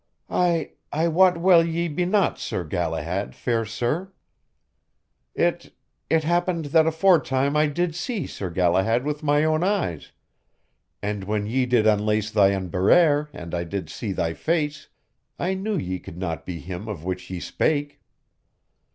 "I ... I wot well ye be not Sir Galahad, fair sir. It ... it happed that aforetime I did see Sir Galahad with my own eyes, and when ye did unlace thy unberere and I did see thy face, I knew ye could not be him of which ye spake."